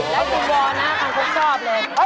แล้วคุณบอลนะครับคางคกชอบเลย